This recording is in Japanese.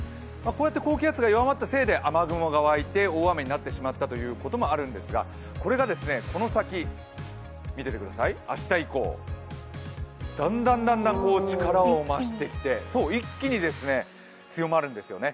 こうやって高気圧が弱まったせいで、雨雲が湧いて大雨になってしまったということもあるんですがこれがこの先、見ててください、明日以降、だんだん力を増してきて一気に強まるんですよね。